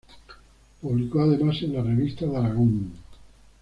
Publicó, además, en la "Revista de Aragón".